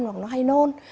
hoặc nó hay non